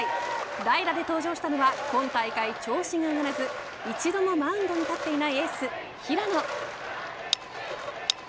代打で登場したのは今大会、調子が上がらず一度もマウンドに立っていないエース、平野。